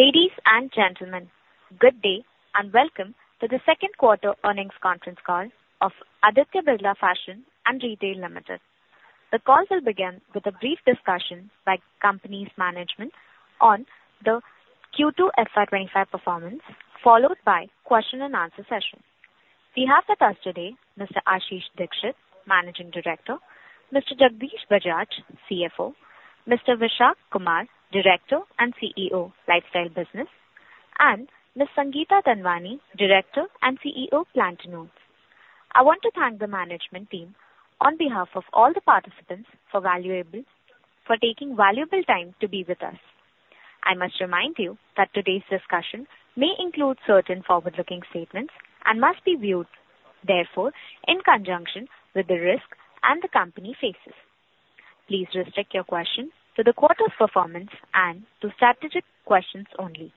Ladies and gentlemen, good day and welcome to the Q2 Earnings Conference Call of Aditya Birla Fashion and Retail Limited. The call will begin with a brief discussion by the company's management on the Q2 FY25 performance followed by a question and answer session. We have with us today Mr. Ashish Dixit, Managing Director; Mr. Jagdish Bajaj, CFO; Mr. Vishak Kumar, Director and CEO, Lifestyle Business; and Ms. Sangeeta Pendurkar, Director and CEO, Pantaloons. I want to thank the management team on behalf of all the participants for taking valuable time to be with us. I must remind you that today's discussion may include certain forward-looking statements and must be viewed therefore in conjunction with the risks that the company faces. Please restrict your questions to the quarter's performance and to strategic questions. Only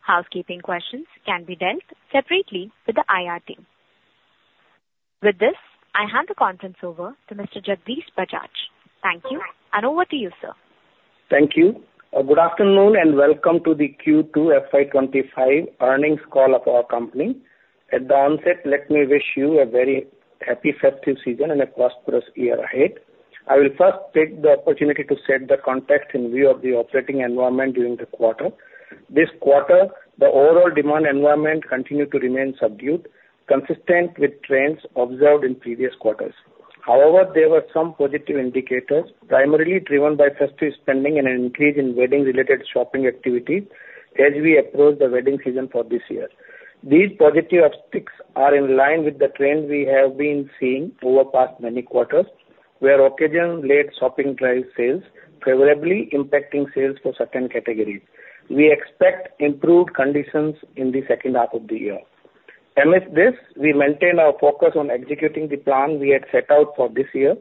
housekeeping questions can be dealt with separately with the IR team. With this, I hand the conference over to Mr. Jagdish Bajaj. Thank you. And over to you, sir. Thank you. Good afternoon and welcome to the Q2FY2025 earnings call of our company. At the onset, let me wish you a very happy festive season and a prosperous year ahead. I will first take the opportunity to set the context in view of the operating environment during the quarter. The overall demand environment continued to remain. Subdued consistent with trends observed in previous quarters. However, there were some positive indicators primarily driven by festive spending and an increase in wedding-related shopping activity. As we approach the wedding season for this year, these positive upticks are in line with the trend we have been seeing over the past many quarters where occasional late shopping drives sales favorably impacting sales for certain categories. We expect improved conditions in the second half of the year. Amidst this, we maintain our focus on executing the plan we had set out. For this year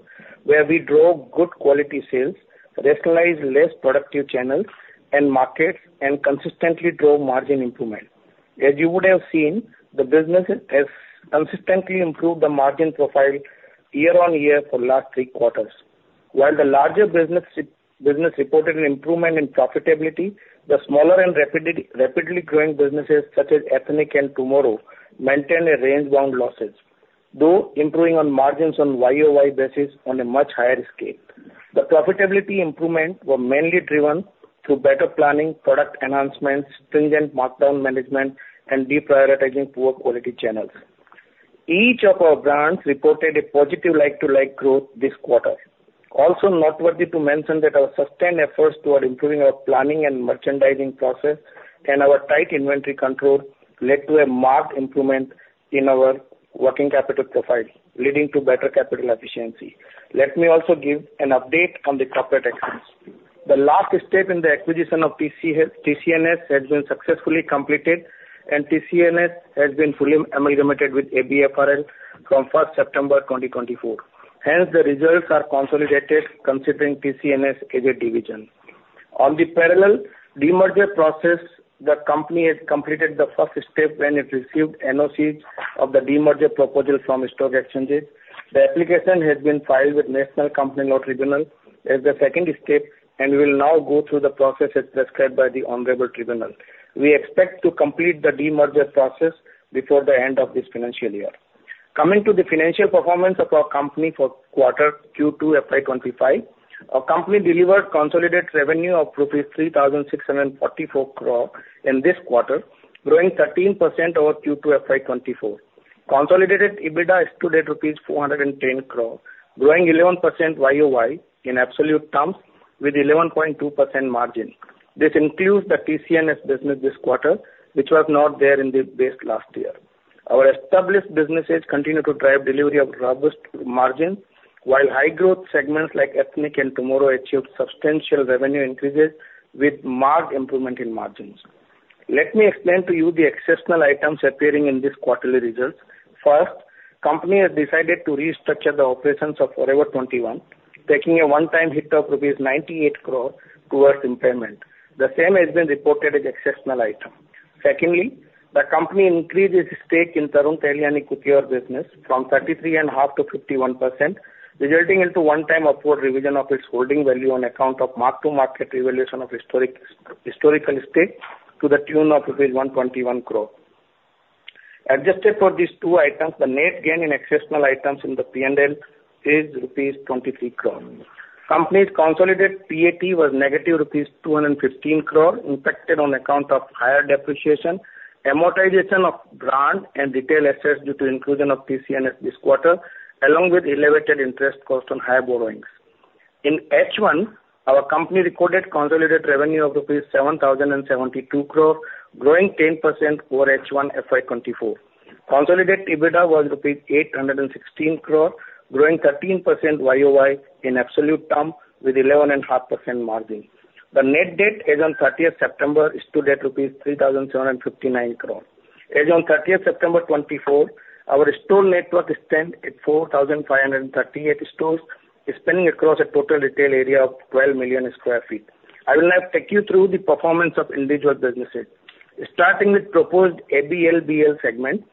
where we drove good. Quality sales, rationalized less productive channels and markets and consistently drove margin improvement. As you would have seen, the business has consistently improved the margin profile year on year for last three quarters. While the larger business reported an improvement in profitability, the smaller and rapidly growing businesses such as Ethnic and TMRW maintain a range-bound losses though improving on margins on YoY basis on a much higher scale, the profitability improvement were mainly driven through better planning, product enhancements, stringent markdown management and deprioritizing poor quality channels. Each of our brands reported a positive like-to-like growth this quarter. Also noteworthy to mention that our sustained efforts toward improving our planning and merchandising process and our tight inventory control led to a marked improvement in our working capital profile leading to better capital efficiency. Let me also give an update on the corporate actions. The last step in the acquisition of TCNS has been successfully completed and TCNS has been fully amalgamated with ABFRL from 1st September 2024. Hence the results are consolidated. Considering TCNS as a division on the parallel demerger process, the company has completed the first step when it received NOCs of the demerger proposal from stock exchanges. The application has been filed with National Company Law Tribunal as the second step and will now go through the process as prescribed by the Honorable Tribunal. We expect to complete the demerger process before the end of this financial year. Coming to the financial performance of our company for quarter Q2FY25, our company delivered consolidated revenue of rupees 3,644 crore in this quarter growing 13% over Q2FY24. Consolidated EBITDA stood at rupees 410 crore growing 11% YoY in absolute terms with 11.2% margin. This includes the TCNS business this quarter which was not there in the base last year. Our established businesses continue to drive delivery of robust margin while high growth segments like Ethnic and TMRW achieved substantial revenue increases with marked improvement in margins. Let me explain to you the exceptional items appearing in this quarterly results. First, company has decided to restructure the operations of Forever 21 taking a one time hit of 98 crore rupees towards impairment. The same has been reported as exceptional item. Secondly, the Company increased its stake in Tarun Tahiliani couture business from 33.5 to 51% resulting into one time upward revision of its holding value on account of mark to market revaluation of historical stake to the tune of rupees 121 crore. Adjusted for these two items, the net gain in exceptional items in the P&L is rupees 23 crore. Company's consolidated PAT was negative rupees 215 crore impacted on account of higher depreciation amortization of brand and retail assets due to inclusion of TCNS this quarter along with elevated interest cost on high borrowings in H1. Our company recorded consolidated revenue of rupees 7072 crore growing 10% over H1 FY24. Consolidated EBITDA was rupees 816 crore growing 13% YoY in absolute term with 11.5% margin. The net debt as on September 30th stood at rupees 3759 crore as on September 30th 2024 our store network stand at 4538 stores spanning across a total retail area of 12 million sq ft. I will now take you through the performance of individual businesses starting with proposed ABLBL segment.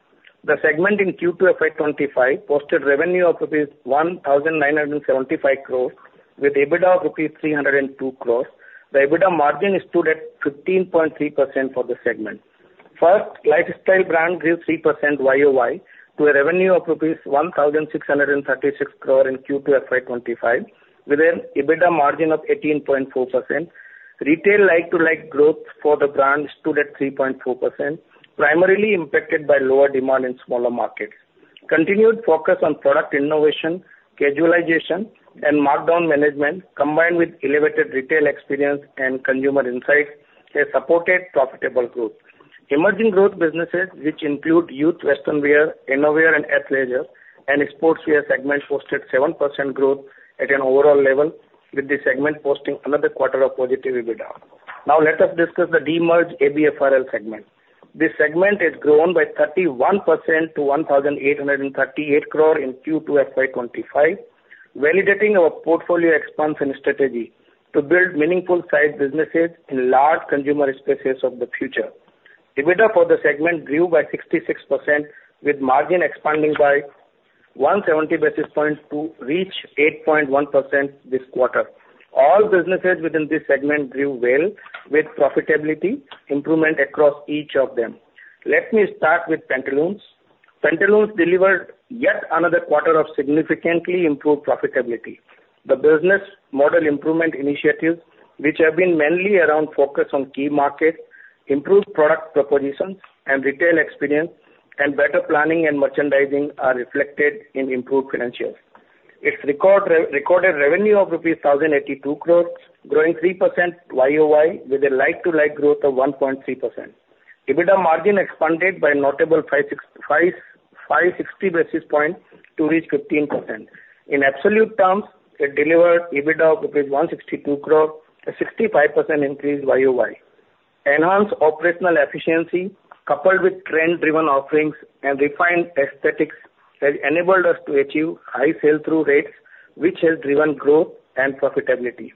The segment in Q2FY25 posted revenue of rupees 1975 crore with EBITDA of rupees 302 crores. The EBITDA margin stood at 15.3% for the segment. First lifestyle brand grew 3% YoY to a revenue of INR 1,636 crore in Q2FY25 with an EBITDA margin of 18.4%. Retail like-to-like growth for the brand stood at 3.4%, primarily impacted by lower demand in smaller markets. Continued focus on product innovation, casualization and markdown management combined with elevated retail experience and consumer insights has supported profitable growth. Emerging growth businesses which include Youth, Western Wear, Innerwear and Athleisure and Sportswear segment posted 7% growth at an overall level with the segment posting another quarter of positive EBITDA. Now let us discuss the demerged ABFRL segment. This segment has grown by 31% to 1,838 crore in Q2FY25 validating our portfolio expansion strategy to build meaningful size businesses in large consumer spaces of the future. EBITDA for the segment grew by 66% with margin expanding by 170 basis points to reach 8.1% this quarter. All businesses within this segment grew well with profitability improvement across each of them. Let me start with Pantaloons. Pantaloons delivered yet another quarter of significantly improved profitability. The business model improvement initiatives which have been mainly around focus on key markets, improved product propositions and retail experience and better planning and merchandising are reflected in improved financials. Its record revenue of rupees 1082 crore growing 3% YoY with a like-to-like growth of 1.3%. EBITDA margin expanded by notable 560 basis points to reach 15%. In absolute terms it delivered EBITDA of 162 crore, a 65% increase YoY. Enhanced operational efficiency coupled with trend-driven offerings and refined aesthetics has enabled us to achieve high sell-through rates which has driven growth and profitability.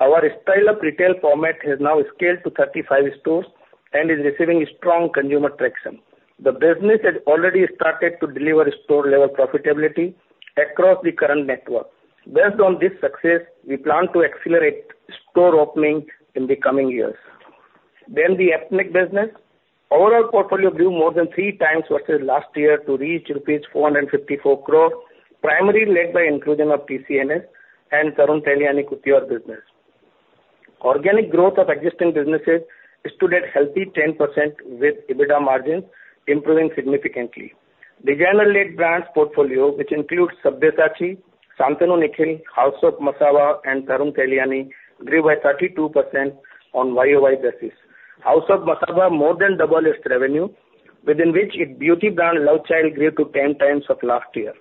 Our Style Up retail format has now scaled to 35 stores and is receiving strong consumer traction. The business has already started to deliver store level profitability across the current network. Based on this success, we plan to accelerate store opening in the coming years, then the ethnic business overall portfolio grew more than three times versus last year to reach rupees 454 crore primarily led by inclusion of TCNS and Tarun Tahiliani Couture business. Organic growth of existing businesses stood at healthy 10% with EBITDA margins improving significantly. The luxury brand's portfolio which includes Sabyasachi, Shantnu & Nikhil, House of Masaba and Tarun Tahiliani grew by 32% on YoY basis. House of Masaba more than doubled its revenue within which its beauty brand LoveChild grew to 10 times of last year.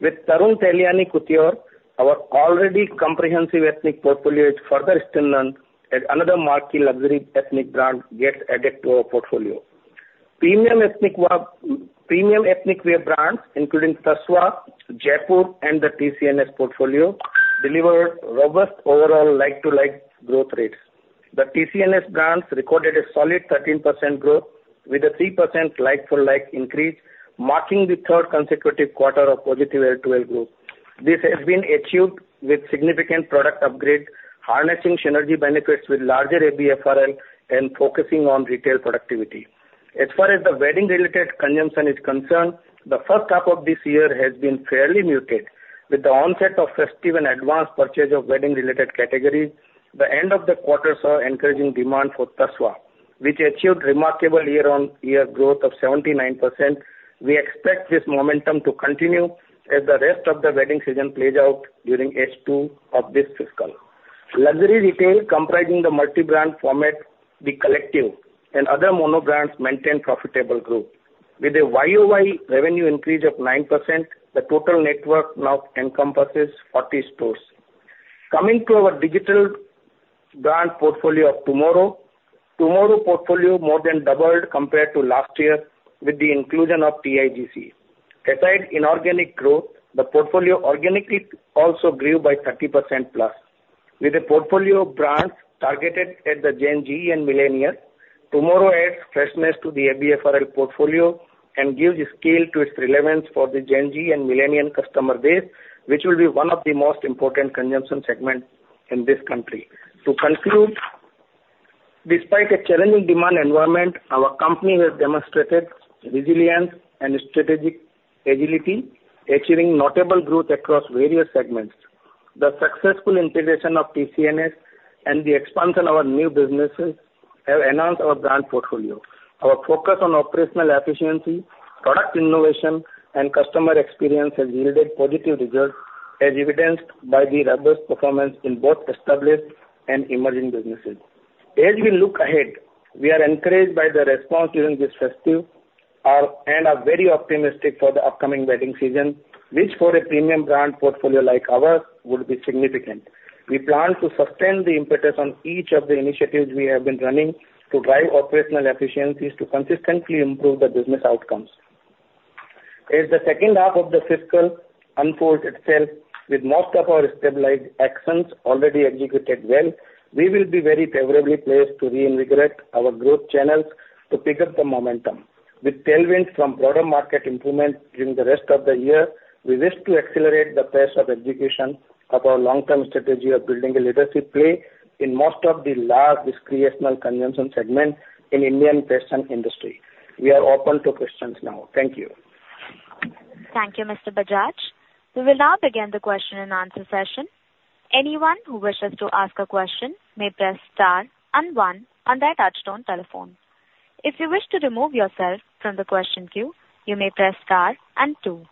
With Tarun Tahiliani Couture. Our already comprehensive ethnic portfolio is further strengthened as another marquee luxury ethnic brand gets added to our portfolio. Premium ethnic wear brands including Tasva, Jaypore and the TCNS portfolio delivered robust overall like to like growth rates. The TCNS brands recorded a solid 13% growth with a 3% like for like increase marking the third consecutive quarter of positive L2L growth. This has been achieved with significant product upgrade, harnessing synergy benefits with larger ABFRL and focusing on retail productivity. As far as the wedding related consumption is concerned, the first half of this year has been fairly muted with the onset of festive and advanced purchase of wedding related categories. The end of the quarter saw encouraging demand for Tasva which achieved remarkable year on year growth of 79%. We expect this momentum to continue as the rest of the wedding season plays out during H2 of this fiscal. Luxury retail comprising the multi-brand format, The Collective and other monobrands maintain profitable growth with a YoY revenue increase of 9%. The total network now encompasses 40 stores coming to our digital brand portfolio of TMRW. TMRW portfolio more than doubled compared to last year with the inclusion of TIGC acquired inorganic growth. The portfolio organically also grew by 30% plus with a portfolio of brands targeted at the Gen Z and Millennials. TMRW adds freshness to the ABFRL portfolio and gives scale to its relevance for the Gen Z and Millennial customer base which will be one of the most important consumption segments in this country. To conclude, despite a challenging demand environment, our company has demonstrated resilience and strategic agility, achieving notable growth across various segments. The successful integration of TCNS and the expansion of our new businesses have announced our brand portfolio. Our focus on operational efficiency, product innovation and customer experience has yielded positive results as evidenced by the robust performance in both established and emerging businesses as we look ahead. We are encouraged by the response during this festive and are very optimistic for the upcoming wedding season which for a premium brand portfolio like ours would be significant. We plan to sustain the impetus on each of the initiatives we have been running to drive operational efficiencies to consistently improve the business outcomes as the second half of the fiscal unfolds itself. With most of our stabilized actions already executed well, we will be very favorably placed to reinvigorate our growth channels to pick up the momentum with tailwinds from broader market improvement during the rest of the year. We wish to accelerate the pace of execution of our long-term strategy of building a leadership play in most of the large discretionary consumption segment in Indian fashion and retail industry. We are open to questions now. Thank you. Thank you, Mr. Bajaj. We will now begin the question and answer session. Anyone who wishes to ask a question may press star and one on their touch-tone telephone. If you wish to remove yourself from the question queue, you may press star and two.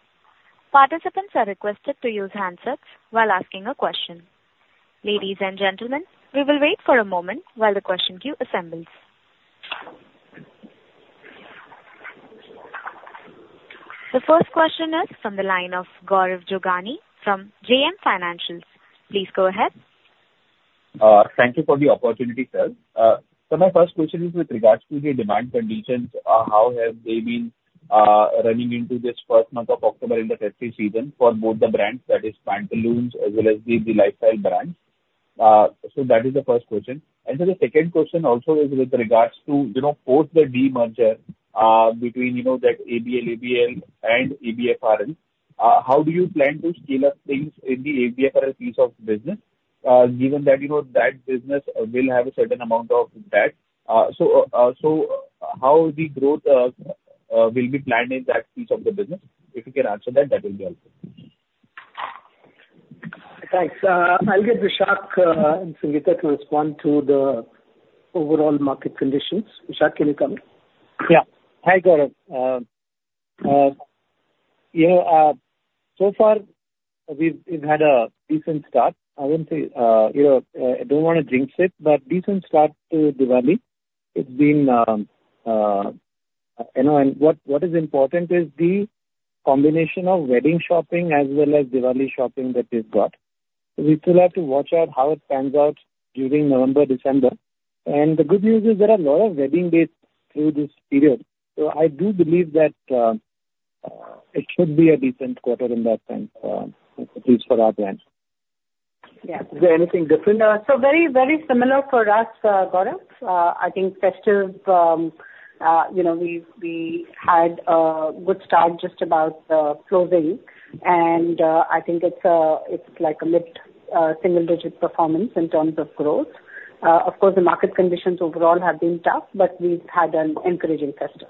Participants are requested to use handsets while asking a question. Ladies and gentlemen, we will wait for a moment while the question queue assembles. The first question is from the line of Gaurav Jogani from JM Financial. Please go ahead. Thank you for the opportunity, sir. So, my first question is with regards. To the demand conditions. How have they been running into this first month of October in the testing season for both the brands, i.e., Pantaloons as well as the lifestyle brands. So that is the first question. And so the second question also is with regards to, you know, post the demerger between, you know, that ABL and ABFR, how do you plan to scale up things in the ABFR piece of business given that you know that business will have a certain amount of debt. So. How the growth will be planned in that piece of the business? If you can answer that, that will be helpful. Thanks. I'll get Vishak and Sangeeta to respond to the overall market conditions. Vishak, can you come? Yeah. Hi, Gaurav. You know, so far we've had a decent start. I wouldn't say, you know, I don't. Want to jinx it. But decent start to Diwali it's been, you know. What is important is the combination of wedding shopping as well as Diwali shopping that we've got. We still have to watch out how it stands out to during November, December. And the good news is there are a lot of wedding dates through this period. So I do believe that it should be a decent quarter in that sense. At least for our brand. Is there anything different so very, very. Similar for us, Gaurav? I think festive. You know, we had a good start, just about closing, and I think it's like a mid single digit performance in terms of growth. Of course the market conditions overall have been tough but we've had an encouraging fest.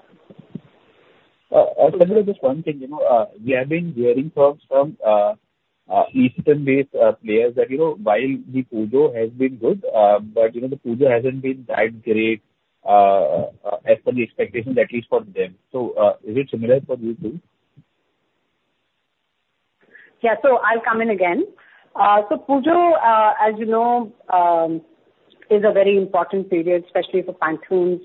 Just one thing, you know, we have been hearing some eastern based players that you know, while the Pujo has been good but you know, the Pujo hasn't been that great as for the expectations, at least for them. So is it similar for you too? Yeah, so I'll come in again. So Pujo as you know is a very important period especially for Pantaloons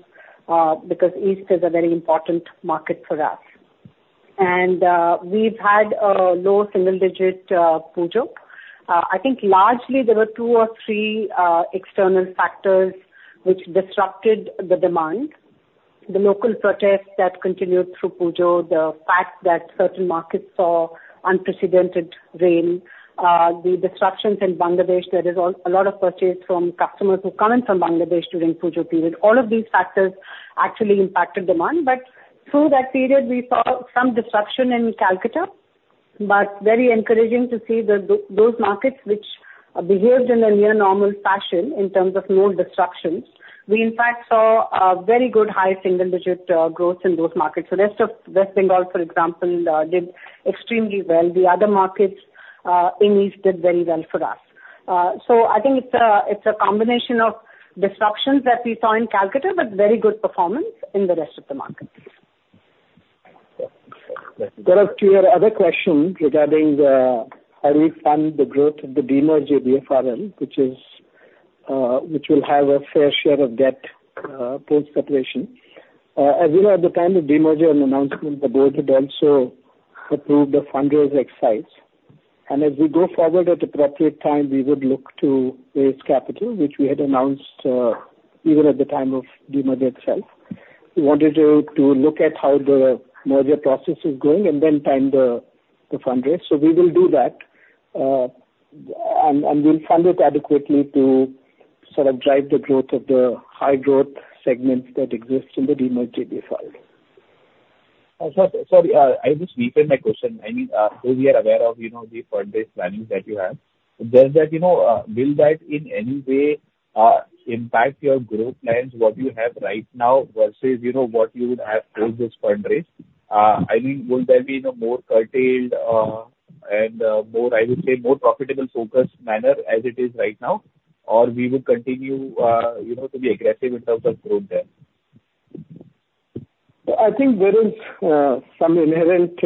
because East is a very important market for us and we've had a low single digit Pujo. I think largely there were two or three external factors which disrupted the demand. The local protest that continued through Pujo, the fact that certain markets saw unprecedented rain, the disruptions in Bangladesh, there is a lot of purchase from customers who come in from Bangladesh during Pujo period. All of these factors actually impacted demand. But through that period we saw some disruption in Kolkata but very encouraging to see those markets which behaved in a near normal fashion in terms of no disruptions. We in fact saw very good high single digit growth in those markets. The rest of West Bengal for example did extremely well. The other markets in East did very well for us. So I think it's a combination of disruptions that we saw in Kolkata but very good performance in the rest of the markets. Gaurav, to your other question regarding how do we fund the growth of the demerged ABFRL which will have a fair share of debt post separation. As you know, at the time of demerger and announcement the board had also approved the fundraise exercise and as we go forward at appropriate time we would look to raise capital which we had announced even at the time of demerger itself. We wanted to look at how the merger process is going and then time the fundraise. So we will do that and we'll fund it adequately to sort of drive the growth of the high growth segments that exist in the demerged entity. Sorry, I just deepened my question. I mean we are aware of, you know, the fund based planning that you have. Does that, you know, will that in any way impact your growth plans, what you have right now versus you know, what you would have told this fundraiser? I mean would there be more curtailed and more, I would say more profitable focused manner as it is right now or we would continue to be aggressive in terms of growth there? I think there is some inherent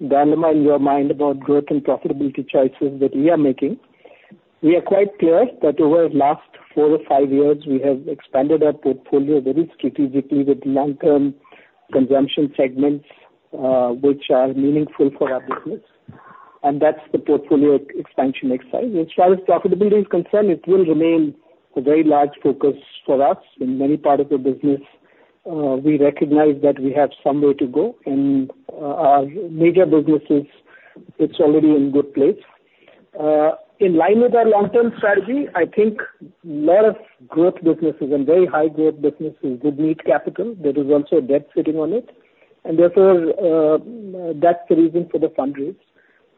dilemma in your mind about growth and profitability. Choices that we are making. We are quite clear that over the last four or five years we have expanded our portfolio very strategically with long term consumption segments which are meaningful for our business. And that's the portfolio expansion excitement as far as profitability is concerned. It will remain a very large focus for us in many parts of the business. We recognize that we have somewhere to go and our major businesses, it's already in good place in line with our long term strategy. I think a lot of growth businesses and very high growth businesses would need capital. There is also debt sitting on it and therefore that's the reason for the fundraise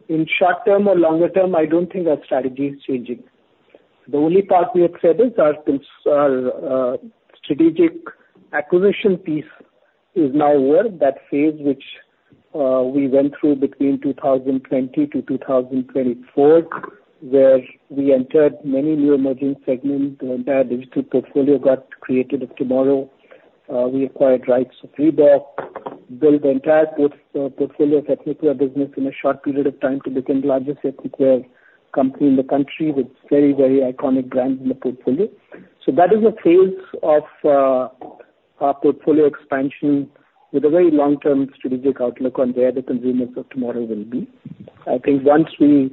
in short term or longer term. I don't think our strategy is changing. The only part we have said is our strategic acquisition piece is now that phase which we went through between 2020 to 2024 where we entered many new emerging segments. The entire digital portfolio got created of tomorrow. We acquired rights of Reebok, built the entire portfolio of ethnicwear business in a short period of time to become the largest ethnicwear company in the country with very, very iconic brands in the portfolio. So that is a phase of our portfolio expansion with a very long term strategic outlook on where the consumers of tomorrow will be. I think once we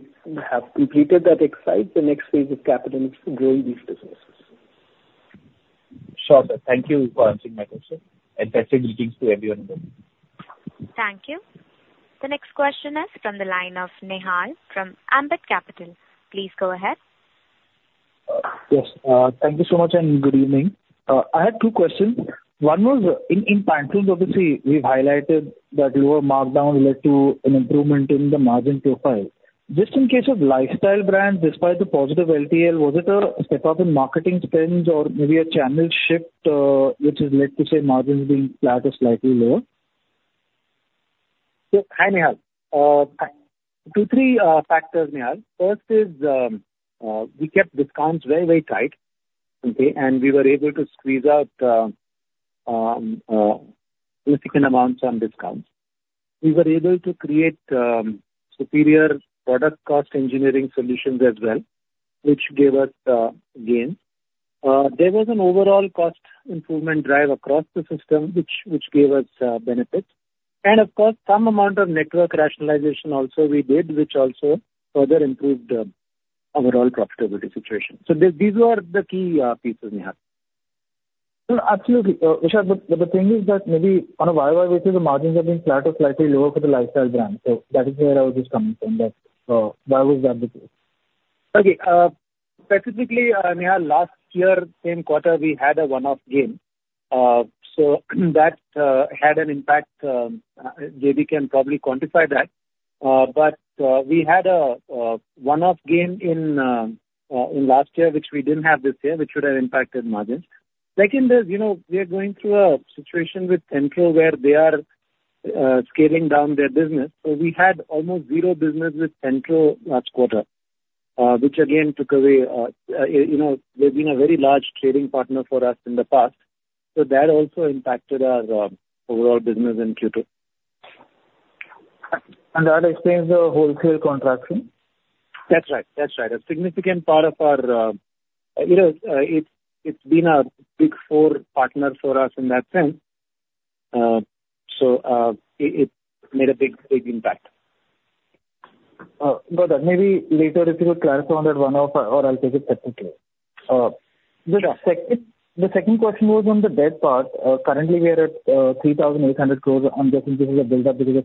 have completed that excites the next phase of capital growing East businesses. Thank you for answering my question and best greetings to everyone. Thank you. The next question is from the line of Nehal from Ambit Capital. Please go ahead. Yes, thank you so much and good evening. I had two questions. One was in Pantaloons. Obviously we've highlighted that lower markdown led to an improvement in the margin profile just in case of lifestyle brands. Despite the positive LTL, was it a step up in marketing spends or maybe a channel shift which is let's say margins being flat or slightly lower. Two, three factors. First is we kept discounts very very tight. Okay. And we were able to squeeze out significant amounts on discounts. We were able to create superior product cost engineering solutions as well which gave us gains. There was an overall cost improvement drive across the system which gave us benefits and of course some amount of network rationalization. Also we did which also further improved overall profitability situation. So these are the key pieces we have. Absolutely. The thing is that maybe on a YY the margins have been flat or slightly lower for the lifestyle brand. So that is where I was just coming from that. Why was that before? Okay, specifically last year, same quarter we had a one-off gain. So that had an impact. JB can probably quantify that, but we had a one-off gain in last year which we didn't have this year which would have impacted margins. Second is, you know we are going through a situation with Centro where they are scaling down their business. So we had almost zero business with Centro last quarter which again took away, you know they've been a very large trading partner for us in the past. So that also impacted our overall business in Q2 and that explains the wholesale contraction. That's right, that's right. A significant part of our, you know it's, it's been a big four partner for us in that sense. So it made a big, big impact. Brother maybe later if you could clarify on that one-off or I'll take it separately. The second question was on the debt part. Currently we are at 3,800 crores. I'm guessing this is a build up because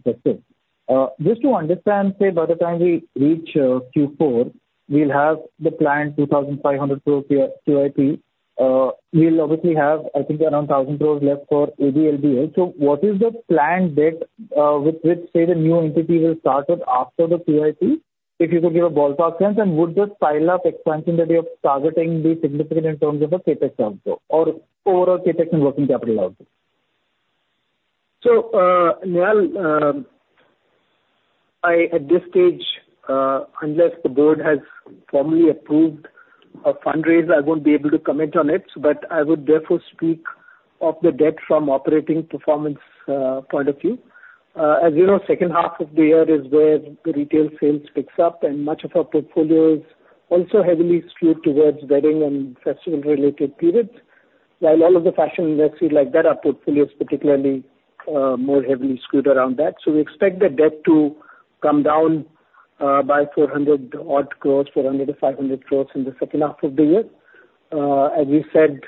of, just to understand say by the time we reach Q4 we'll have the planned 2,500 crore QIP. We'll obviously have I think around 1,000 crores left for ABFRL. So what is the planned debt with which say the new entity will start with after the QIP? If you could give a ballpark sense and would the pile up expansion that you're targeting be significant in terms of the CapEx outflow or overall CapEx and working capital outlook? So Nehal, at this stage unless the board has formally approved a fundraiser I won't be able to comment on it. I would therefore speak of the debt from operating performance point of view. As you know second half of the year is where the retail sales picks up and much of our portfolio is also heavily skewed towards wedding and festival related periods. While all of the fashion industry like that, our portfolio is particularly more heavily skewed around that. So we expect the debt to come down by 400 odd crores, 400 to 500 crore in the second half of the year. As we said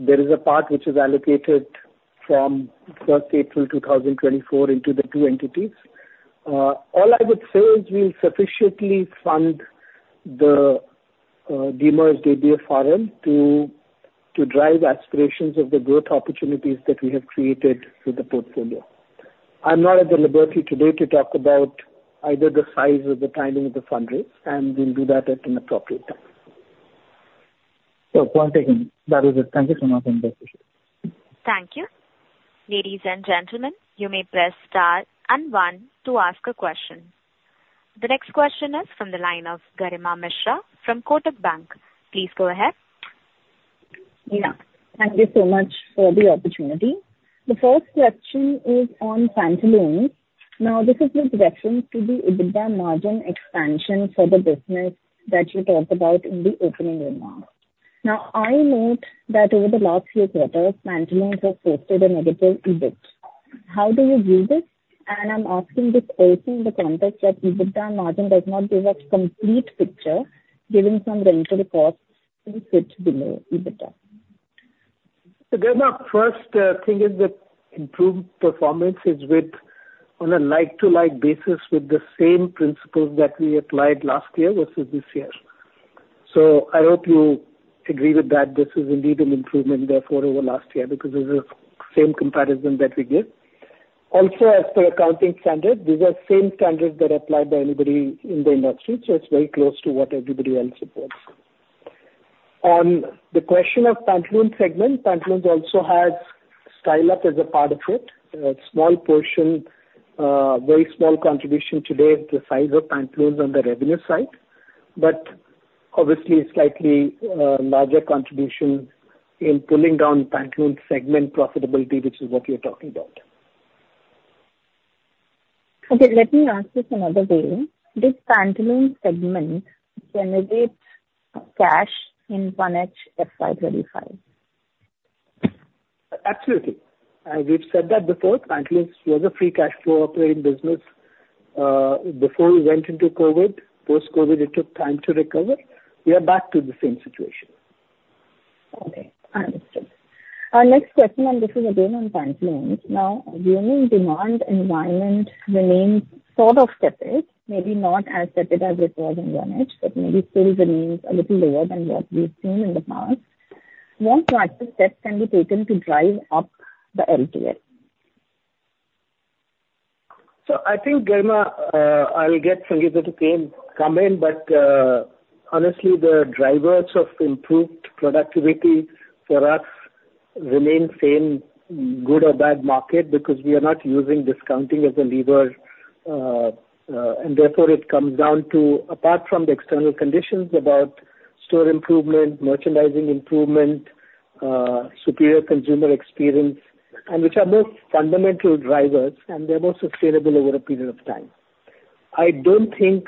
there is a part which is April 1st 2024 into the two entities. All I would say is we'll sufficiently fund the demerged ABFRL to drive aspirations of the growth opportunities that we have created with the portfolio. I'm not at liberty today to talk about either the size or the timing of the fundraise, and we'll do that at an appropriate time. That is it. Thank you so much. Thank you, Ladies and Gentlemen. You may press Star and one to ask a question. The next question is from the line of Garima Mishra from Kotak Bank. Please go ahead. Yeah, thank you so much for the opportunity. The first question is on Pantaloons. Now this is with reference to the EBITDA margin expansion for the business that you talked about in the opening remarks. Now I note that over the last few quarters Pantaloons have posted a negative EBITDA. How do you view this? And I'm asking this also in the context that EBITDA margin does not give a complete picture, giving some rental costs below EBITDA. First thing is that improved performance is with on a like to like basis with the same principles that we applied last year versus this year. So I hope you agree with that. This is indeed an improvement therefore over last year because this is same comparison that we give. Also as per accounting standard these are same standards that apply by anybody in the industry. So it's very close to what everybody else supports. On the question of Pantaloons segment, Pantaloons also has Style Up as a part of it, a small portion, very small contribution today, the size of Pantaloons on the revenue side but obviously slightly larger contribution in pulling down Pantaloons segment profitability which is what you're talking about. Okay, let me ask this another way. This Pantaloons segment generates cash in 1H FY25. Absolutely. We've said that before. Pantaloons was a free cash flow operating business before we went into COVID. Post-COVID, it took time to recover. We are back to the same situation. Okay, I understand our next question and this is again on Bangladesh. Ongoing demand environment remains sort of tepid. Maybe not as tepid as it was in 1H but maybe still remains a little lower than what we've seen in the past. What steps can be taken to drive up the LTL. So I think Garima, I'll get Sangeeta to come in, but honestly, the drivers of improved productivity for us remain the same, good or bad market, because we are not using discounting as a lever. And therefore it comes down to, apart from the external conditions, about store improvement, merchandising improvement, superior consumer experience, and which are more fundamental drivers and they are more sustainable over a period of time. I don't think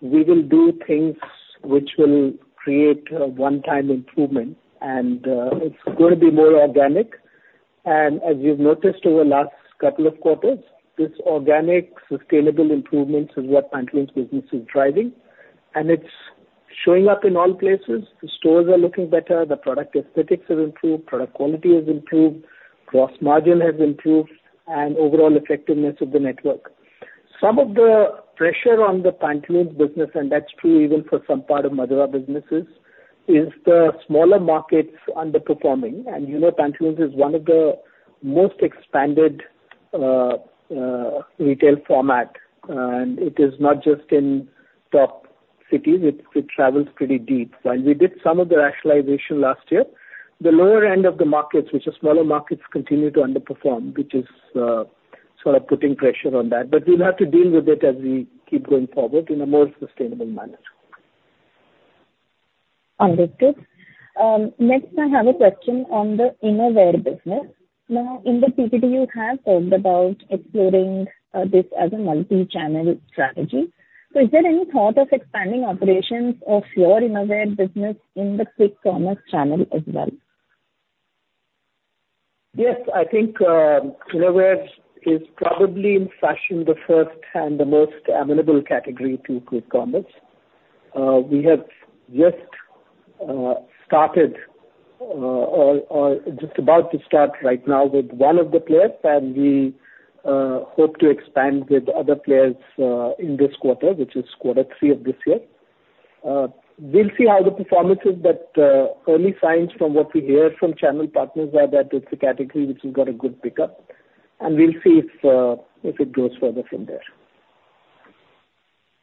we will do things which will create one-time improvement and it's going to be more organic. And as you've noticed over the last couple of quarters, this organic sustainable improvement is what Pantaloons' business is driving and it's showing up in all places. The stores are looking better, the product aesthetics have improved, product quality has improved, gross margin has improved and overall effectiveness of the network. Some of the pressure on the Pantaloons business and that's true even for some part of Madura businesses. Are the smaller markets underperforming? You know Pantaloons is one of the most expanded retail format and it is not just in top cities. It travels pretty deep and we did some of the rationalization last year. The lower end of the markets, which are smaller markets, continue to underperform which is sort of putting pressure on that. We'll have to deal with it as we keep going forward in a more sustainable manner. Understood. Next, I have a question on the innerwear business. Now in the PPT you have talked about exploring this as a multi channel strategy. So is there any thought of expanding operations of your innerwear business in the quick commerce channel as well? Yes, I think innovation is probably in fashion, the first and the most amenable category to quick commerce. We have just started or just about to start right now with one of the players and we hope to expand with other players in this quarter which is Q3, quarter three of this year. We'll see how the performance is. But early signs from what we hear from channel partners are that it's a category which has got a good pickup and we'll see if, if it goes further from there.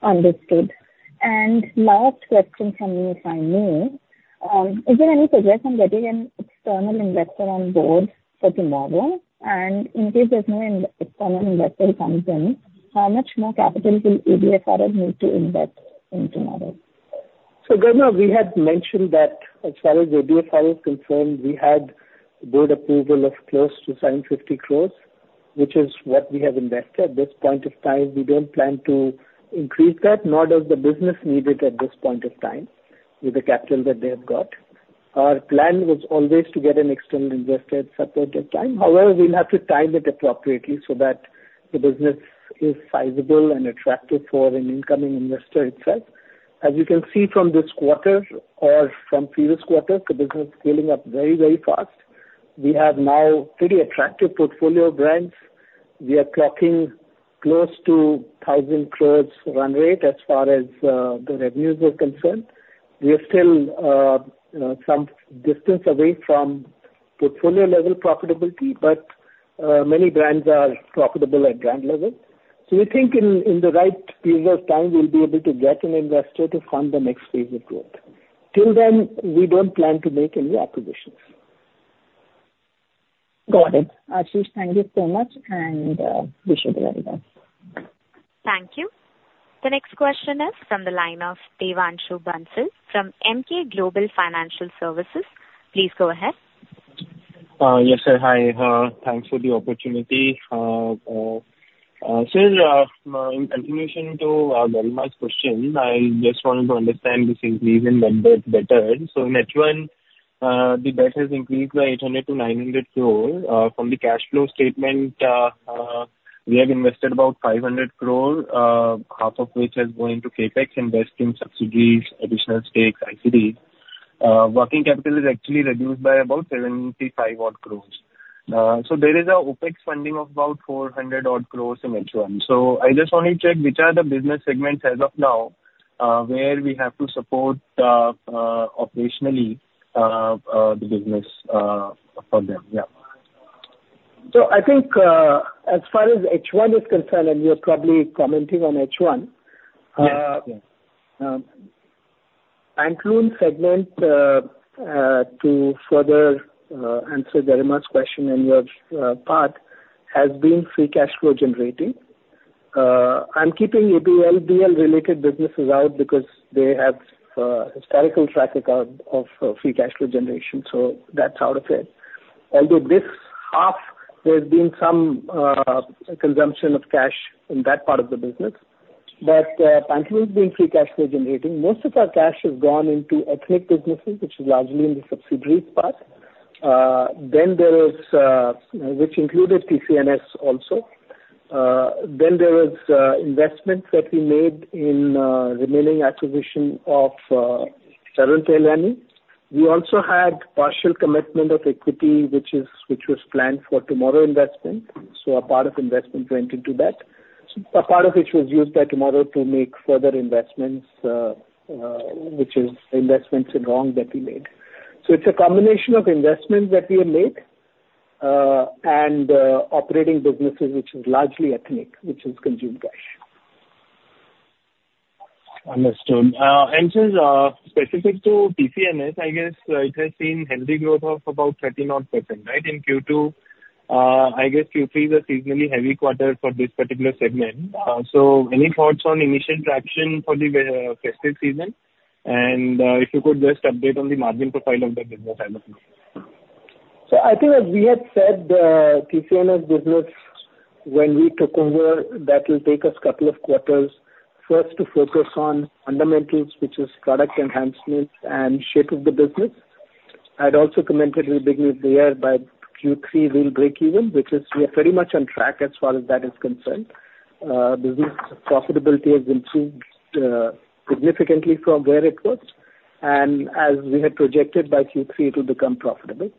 Understood. Last question from me, if I may. Is there any progress on getting an external investor on board for TMRW? In case there's no investor comes in, how much more capital will ABFRL. Need to invest into TMRW? So Garima, we had mentioned that as far as ABFRL is concerned we had board approval of close to 750 crores which is what we have invested this point of time. We don't plan to increase that nor does the business need it at this point of time with the capital that they have got. Our plan was always to get an external investor at some point in time. However, we'll have to time it appropriately so that the business is sizable and attractive for an incoming investor itself. As you can see from this quarter or from previous quarters, the business scaling up very, very fast. We have now pretty attractive portfolio of brands. We are clocking close to 1,000 crores run rate. As far as the revenues are concerned. We are still some distance away from portfolio level profitability. But many brands are profitable at brand level. So we think in the right period of time we'll be able to get an investor to fund the next phase of growth. Till then we don't plan to make any acquisitions. Got it. Ashish, thank you so much and wish. You the very best. Thank you. The next question is from the line of Devanshu Bansal from Emkay Global Financial Services. Please go ahead. Yes, sir. Hi, thanks for the opportunity, sir. In continuation to Garima's question, I just wanted to understand this increase in net debt better in H1 the debt has increased. By 800 to 900 crore from the cash flow statement, we have invested about 500 crore, half of which has gone to CapEx, investment in subsidiaries, additional stakes, ICDs. Working capital is actually reduced by about 75-odd crores. So there is OpEx funding of about 400-odd crores in H1. So I just want to check which are the business segments as of now. Where we have to support operationally the business for them. So I think as far as H1 is concerned and you're probably commenting on H1 Pantaloons segment to further answer Garima's question and your part has been free cash flow generating. I'm keeping ABL related businesses out because they have historical track record of free cash flow generation. So that's out of it. Although this half there's been some consumption of cash in that part of the business but Pantaloons is being free cash flow generating. Most of our cash has gone into ethnic businesses which is largely in the subsidiary part. Then there is which included TCNS also. Then there was investment that we made in remaining acquisition of Tarun Tahiliani. We also had partial commitment of equity which is which was planned for TMRW investment. So a part of investment went into that, a part of which was used by TMRW to make further investments, which is investments in TMRW that we made. So it's a combination of investments that we have made and operating businesses which is largely ethnic which is consumed cash. Understood. And since specific to TCNS I guess it has seen healthy growth of about 39% right in Q2. I guess Q3 is a seasonally heavy quarter for this particular segment. So any thoughts on initial traction for the festive season and if you could just update on the margin profile of the business. So, I think as we had said, TCNS business when we took over, that will take us a couple of quarters first to focus on fundamentals, which is product enhancement and shape of the business. I'd also commented we begin with the year by Q3 we'll break even which is pretty much on track as far. As that is concerned. Business profitability has improved significantly from where it was, and as we had projected by Q3 it will become profitable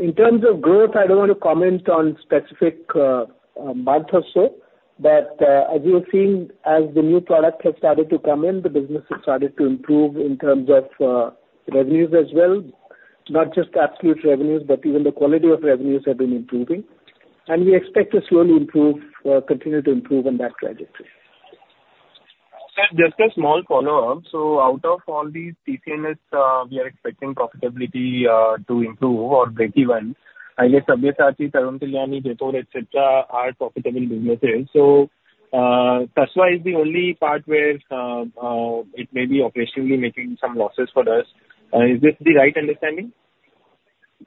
in terms of growth. I don't want to comment on specific month or so, but as you've seen, as the new product has started to come in, the business has started to improve in terms of revenues as well. Not just absolute revenues but even the quality of revenues have been improving and we expect to slowly improve, continue to improve on that trajectory. Just a small follow up. So out of all these TCNS we are expecting profitability to improve or break even I guess etc. Are profitable businesses. So Tasva is the only part where it may be operationally making some losses for us. Is this the right understanding?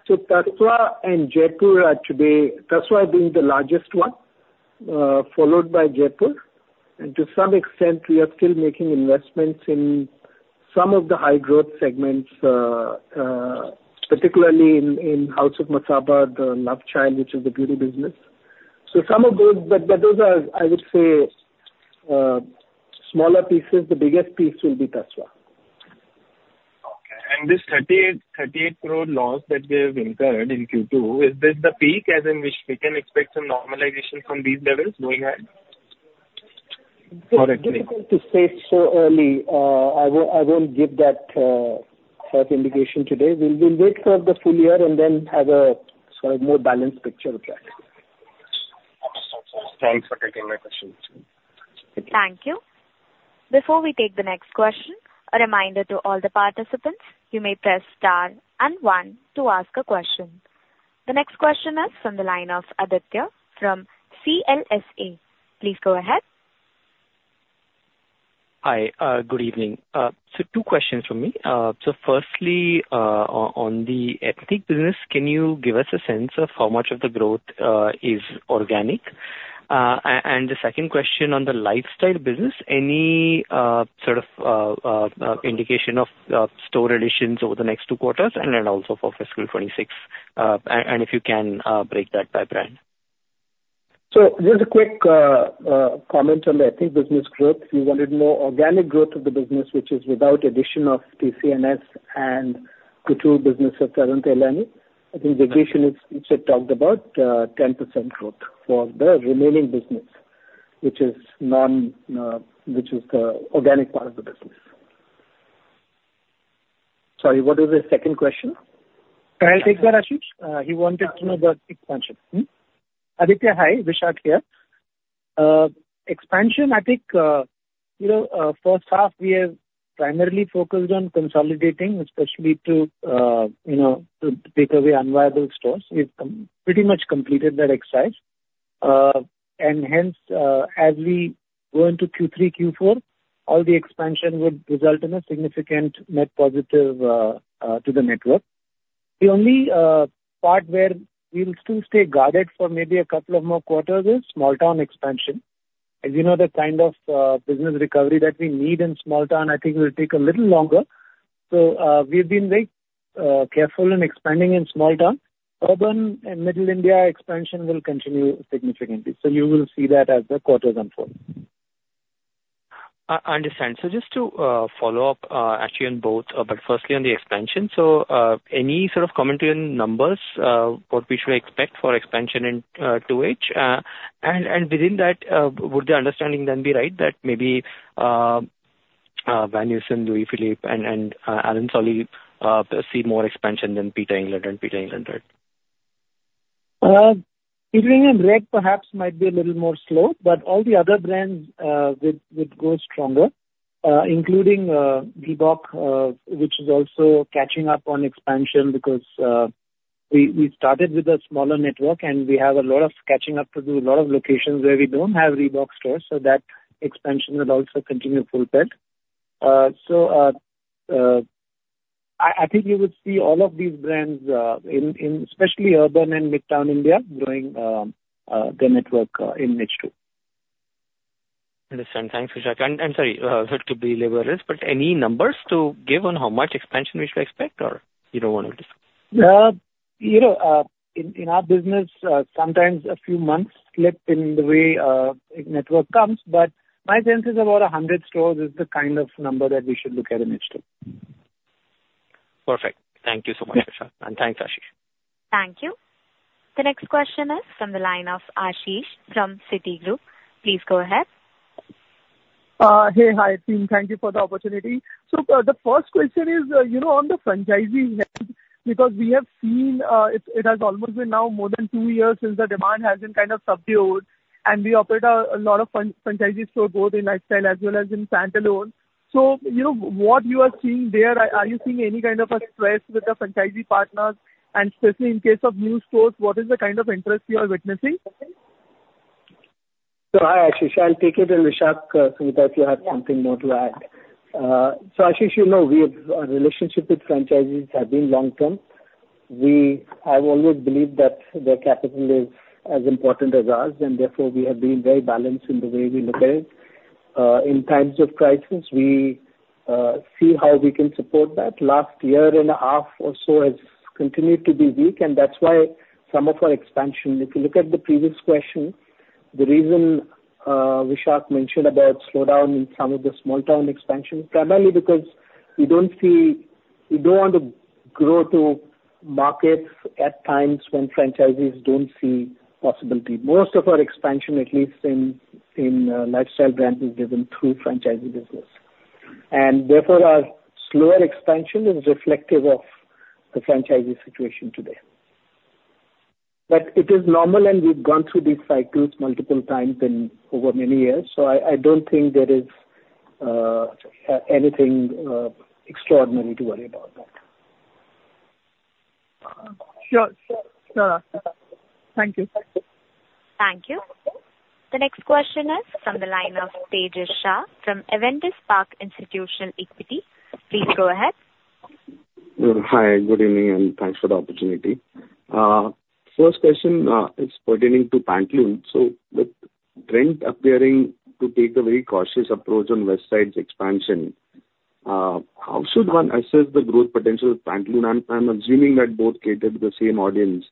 So Tasva and Jaypore are today Tasva being the largest one followed by Jaypore. And to some extent we are still making investments in some of the high growth segments particularly in House of Masaba, the LoveChild which is the beauty business. So some of those, but those are I would say smaller pieces. The biggest piece will be Tasva. This 38 crore loss that we have incurred in Q2 is this the peak as in which we can expect some normalization from these levels? Going ahead To say so early, I won't give that sort of indication today. We will wait for the full year and then have a sort of more balanced picture with that. Thanks for taking my question. Thank you. Before we take the next question, a reminder to all the participants. You may press star and one to ask a question. The next question is from the line of Aditya from CLSA. Please go ahead. Hi, good evening. So two questions for me. So firstly on the ethnic business, can you give us a sense of how much of the growth is organic? The second question on the lifestyle business, any sort of indication of store additions over the next two quarters and then also for fiscal 2026 and if you can break that by brand. So just a quick comment on the ethnic business growth. We wanted more organic growth of the business which is without addition of TCNS and couture business of Tarun Tahiliani. I think the vision is talked about 10% growth for the remaining business which is the organic part of the business. Sorry, what is the second question? I'll take that. Ashish, he wanted to know about expansion. Aditya, hi Vishak here. Expansion I think you know first half we have primarily focused on consolidating especially to you know, to take away unviable stores. We've pretty much completed that exercise and hence as we go into Q3, Q4 all the expansion would result in a significant net positive to the network. The only part where we'll still stay guarded for maybe a couple of more quarters is small town expansion. As you know, the kind of business recovery that we need in small town, I think, will take a little longer. So we've been very careful in expanding in small town. Urban and middle India expansion will continue significantly. So you will see that as the quarters unfold. I understand. So just to follow up, actually on both, but firstly on the expansion. Any sort of commentary on numbers. What we should expect for expansion in 2H and within that would the understanding then be right that maybe Van Heusen, Louis Philippe and Allen Solly see more expansion than Peter England and Peter England. Right. Peter England Red perhaps might be a little more slow but all the other brands would go stronger, including Reebok which is also catching up on expansion because we started with a smaller network and we have a lot of catching up to do, a lot of locations where we don't have Reebok stores. So that expansion will also continue full steam. So I think you would see all of these brands, especially urban and Tier 2 India growing their network in Tier 2. Understood. Thanks, Vishak. And I'm sorry it could be belaboring this, but any numbers to give on? How much expansion we should expect or you don't want. To discuss? You know, in our business sometimes a few months slip in the way network comes. But my sense is about 100 stores is the kind of number that we should look at initially. Perfect. Thank you so much and thanks Ashish. Thank you. The next question is from the line of Ashish from Citigroup. Please go ahead. Hey. Hi team. Thank you for the opportunity, so the first question is, you know, on the franchisees because we have seen it has almost been now more than two years since the demand has been kind of subdued and we operate a lot of franchisee stores both in lifestyle as well as in standalone, so you know what you are seeing there, are you seeing any kind of a stress with the franchisee partners and especially in case of new stores, what is the kind of interest you are witnessing? Hi Ashish, I'll take it. And Vishak, if you have something more to add. Ashish, you know we have our relationship with franchisees have been long term. We have always believed that their capital is as important as ours and therefore we have been very balanced in the way we look at it. In times of crisis, we see how we can support that. Last year and a half or so has continued to be weak, and that's why some of our expansion. If you look at the previous question, the reason Vishak mentioned about slowdown in some of the small town expansion, primarily because we don't see. We don't want to grow to markets at times when franchisees don't see possibility. Most of our expansion, at least in lifestyle brands, is driven through franchisee business, and therefore our slower expansion is reflective of the franchisee situation today. But it is normal, and we've gone through these cycles multiple times over many years. So I don't think there is anything extraordinary to worry about. Sure, thank you. Thank you. The next question is from the line of Tejas Shah from Avendus Spark Institutional Equities. Please go ahead. Hi, good evening and thanks for the opportunity. First question is pertaining to Pantaloons. So with Trent appearing to take a very cautious approach on Westside expansion, how should one assess the growth potential of Pantaloons? I'm assuming that both cater to the same audience.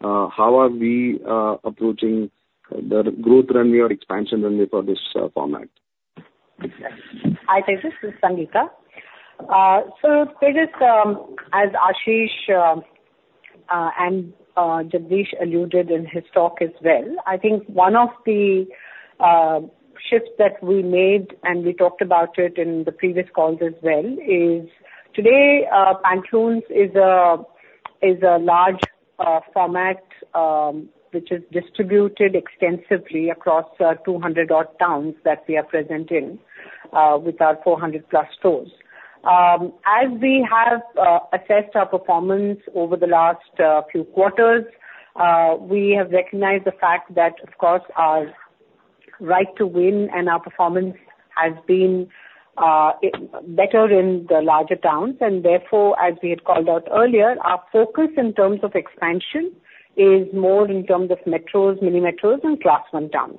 How are we approaching the growth runway? Or expansion only for this format? Hi Tejas, this is Sangeeta. So Tejas, as Ashish and Jagdish alluded in his talk as well, I think one of the shifts that we made, and we talked about it in the previous calls as well, is today Pantaloons is a large format which is distributed extensively across 200-odd towns that we are present in with our 400-plus stores. As we have assessed our performance over the last few quarters, we have recognized the fact that of course our right to win and our performance has been better in the larger towns. And therefore, as we had called out earlier, our focus in terms of expansion is more in terms of metros, mini metros and Class 1 towns.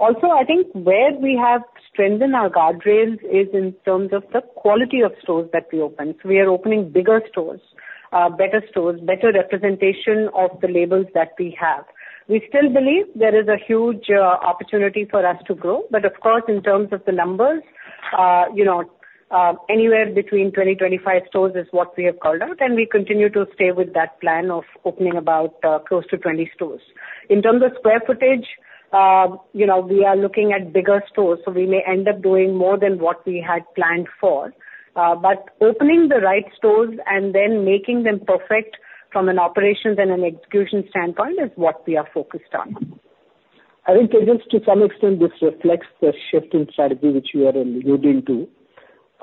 Also, I think where we have strengthened our guardrails is in terms of the quality of stores that we open. We are opening bigger stores, better stores, better representation of the labels that we have. We still believe there is a huge opportunity for us to grow. But of course in terms of the numbers, you know, anywhere between 200 to 250 stores. Is what we have called out. We continue to stay with that plan of opening about close to 20 stores. In terms of square footage, we are looking at bigger stores. We may end up doing more than what we had planned for. Opening the right stores and then making them perfect from an operations and an execution standpoint is what we are focused on. I think to some extent this reflects the shift in strategy which you are alluding to.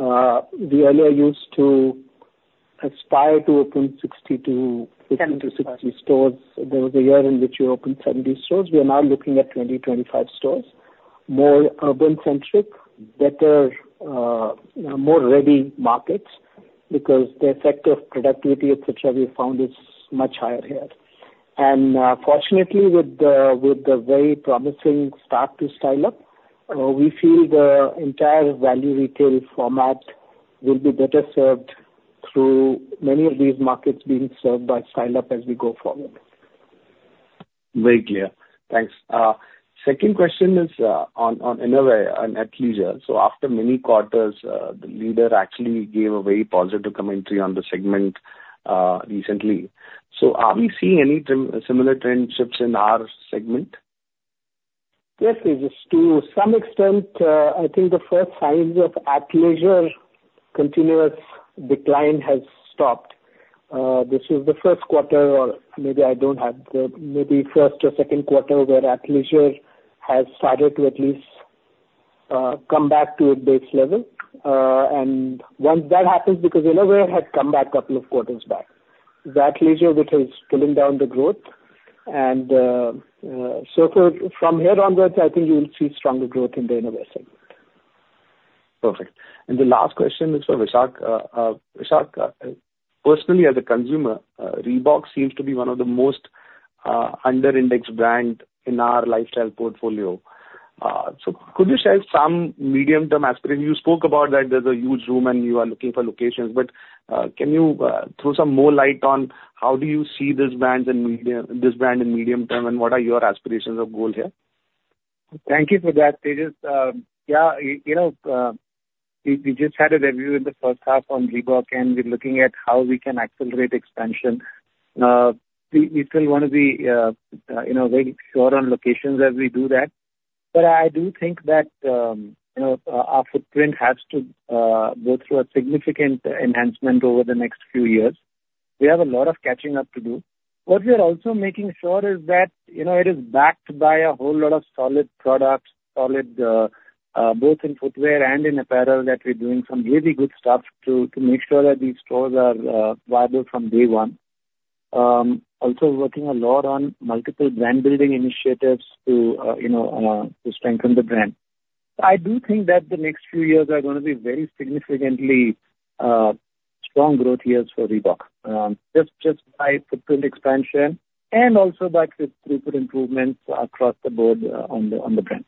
We earlier used to aspire to open 62-65 stores. There was a year in which you opened 70 stores. We are now looking at 20 to 25 stores. More urban centric, better, more ready markets because the effect of productivity, etc, we found is much higher here and fortunately with the very promising start to Style Up, we feel the entire value retail format will be better served through many of these markets being served by Style Up as we go forward. Very clear. Thanks. Second question is on Innerwear and Athleisure. So after many quarters the leader actually gave a very positive commentary on the segment recently. So are we seeing any similar trend shifts in our segment? Yes, to some extent. I think the first signs of Athleisure continuous decline has stopped. This was the Q1 or maybe first or Q2 where Athleisure has started to at least come back to its base level, and once that happens, because innerwear had come back couple of quarters back, athleisure which is pulling down the growth, and so from here onwards I think you will see stronger growth in the innerwear. Perfect. The last question is for Vishak. Vishak, personally, as a consumer, Reebok seems to be one of the most under-indexed brand in our lifestyle portfolio. So, could you share some medium term aspirations? You spoke about that there's a huge room and you are looking for locations. But can you throw some more light on how do you see this brand in medium term and what are your aspirations of goal here? Thank you for that, Tejas. Yeah, you know we just had a review in the first half on Reebok and we're looking at how we can accelerate expansion. We still want to be, you know, very short on locations as we do that. But I do think that our footprint has to go through a significant enhancement over the next few years. We have a lot of catching up to do. What we are also making sure is that it is backed by a whole lot of solid products both in footwear and in apparel, that we're doing some really good stuff to make sure that these stores are viable from day one. Also working a lot on multiple brand building initiatives to strengthen the brand. I do think that the next few years are going to be very significantly strong growth years for Reebok just by footprint expansion and also by throughput improvements across the board on the brand.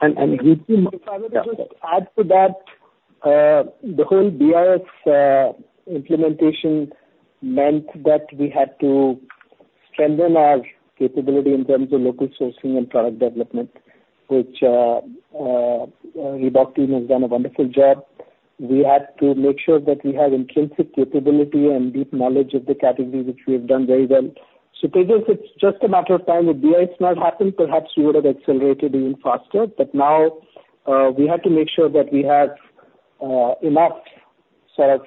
If I were to just add to that, the whole BIS implementation meant that we had to strengthen our capability in terms of local sourcing and product development, which Reebok team has done a wonderful job. We had to make sure that we have intrinsic capability and deep knowledge of the category, which we have done very well. So Tejas, it's just a matter of time. If BIS happened, perhaps we would have accelerated even faster. But now we have to make sure that we have enough sort of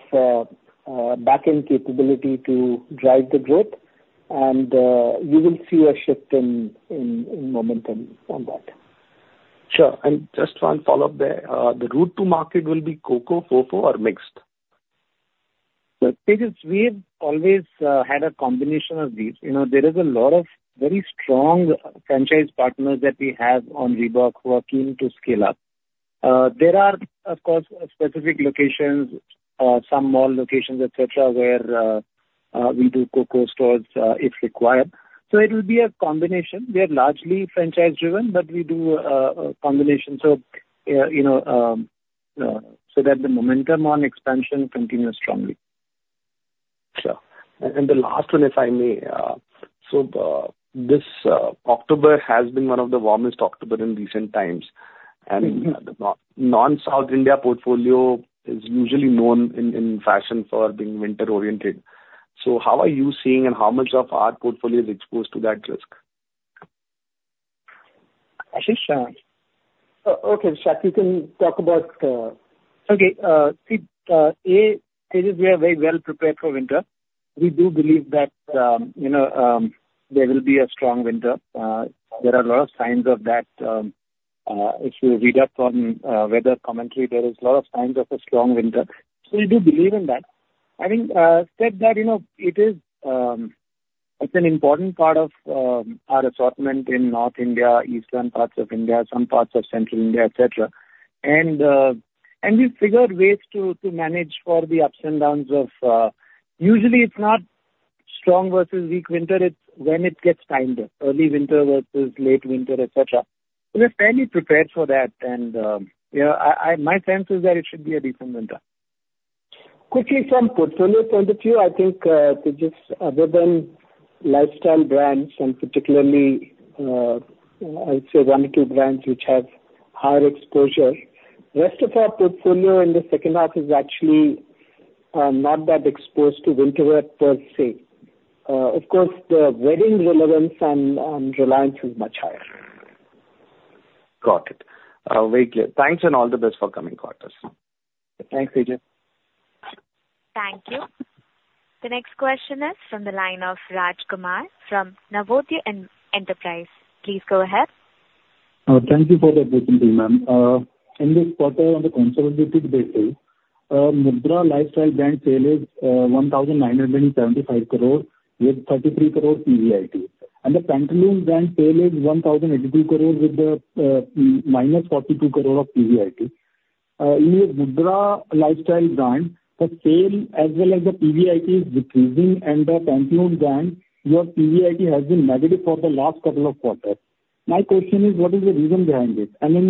back end capability to drive the growth. And you will see a shift in momentum on that. Sure. And just one follow up there. The route to market will be COCO, FOFO or mixed. We've always had a combination of these. You know, there is a lot of very strong franchise partners that we have on Reebok who are keen to scale up. There are of course specific locations, some mall locations etc. where we do COCO stores if required. So it will be a combination. We are largely franchise driven but we do combination. So you know, so that the momentum on expansion continues strongly. Sure. And the last one, if I may so this October has been one of the warmest October in recent times and non-South India portfolio is usually known in fashion for being winter-oriented. So how are you seeing and how much of our portfolio is exposed to that risk? Ashish? Okay. Shah, you can talk about. Okay. We are very well prepared for winter. We do believe that, you know, there will be a strong winter. There are a lot of signs of that. If you read up on weather commentary, there is a lot of signs of a strong winter. So we do believe in that. Having said that, you know, it is an important part of our assortment in North India, eastern parts of India, some parts of Central India, etc. And we figured ways to manage for the ups and downs of. Usually it's not strong versus weak winter, it's when it gets timed up early winter versus late winter etc. We're fairly prepared for that. And my sense is that it should be a decent winter quickly from portfolio point of view. I think other than lifestyle brands, and particularly I'd say one or two brands which have higher exposure, rest of our portfolio in the second half is actually not that expensive to winterwear per se. Of course the wedding relevance and reliance is much higher. Got it. Thanks. All the best for coming quarters. Thanks Tejas. Thank you. The next question is from the line of Raj Kumar from Nuvama Institutional Equities. Please go ahead. Thank you for the opportunity, ma'am. In this quarter on the consolidated basis, Madura Lifestyle brand sales are INR 1,975 crore with INR 33 crore PBIT, and the Pantaloons brand sales are INR 1,082 crore with INR -42 crore of PBIT. In your Madura Lifestyle brand, the sales as well as the PBIT is decreasing, and the Pantaloons brand, your PBIT has been negative for the last couple of quarters. My question is what is the reason behind this? I mean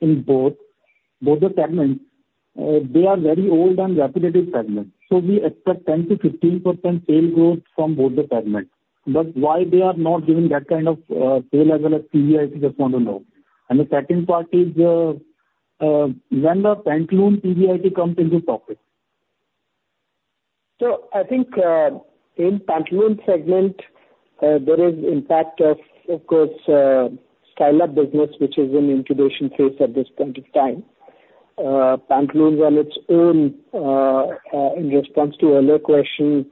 in both the segments they are very old and repetitive segments, so we expect 10% to 15% sales growth from both the segments, but why they are not giving that kind of sales as well as PBIT? Just want to know, and the second part is when the Pantaloons PBIT comes into profit. So I think in Pantaloons segment there is impact of course Style Up business which is in incubation phase at this point of time. Pantaloons on its own in response to earlier question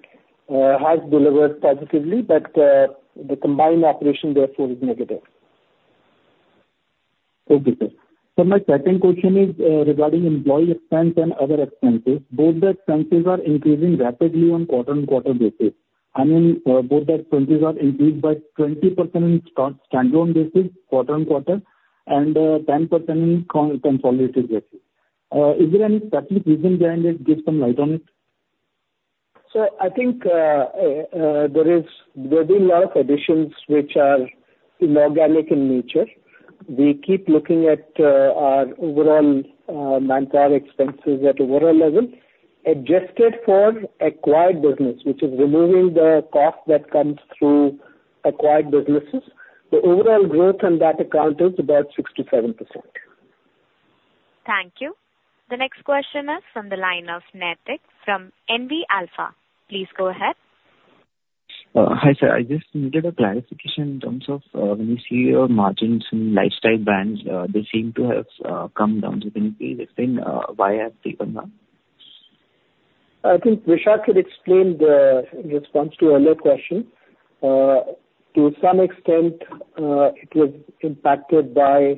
has delivered positively but the combined operation therefore is negative. Okay sir. So my second question is regarding employee expense and other expenses. Both the expenses are increasing rapidly on quarter-on-quarter basis. I mean both that quantities are increased by 20% in standalone basis, quarter on quarter and 10% in consolidated basis. Is there any specific reason behind it? Give some light on it. So I think there is a lot of additions which are inorganic in nature. We keep looking at our overall manpower expenses at overall level adjusted for acquired business which is removing the cost that comes through acquired businesses. The overall growth on that account is about 6% to 7%. Thank you. The next question is from the line of Naitik from NV Alpha. Please go ahead. Hi sir, I just needed a clarification in terms of when you see your margins in lifestyle brands; they seem to have come down. So can you please explain why they have come down? I think Vishak had explained the response to earlier question. To some extent it was impacted by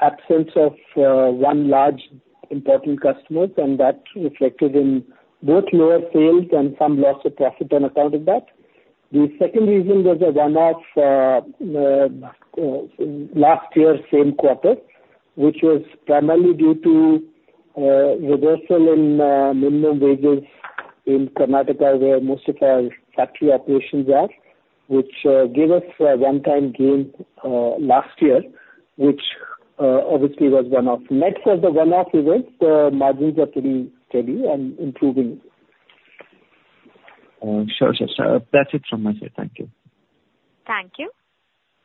absence of one large important customer and that reflected in both lower sales and some loss of profit on account of that. The second reason was a one-off last year same quarter which was primarily due to reversal in minimum wages in Karnataka where most of our factory operations are, which gave us one-time gain last year which obviously was one-off. Net of the one-off event, the margins are pretty steady and improving. That's it from my side. Thank you. Thank you.